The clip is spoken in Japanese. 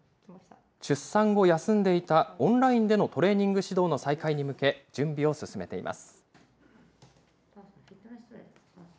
出産後、休んでいたオンラインでのトレーニング指導の再開に向け、準備を進めています。